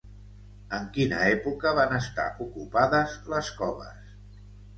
En quina època van estar ocupades les coves?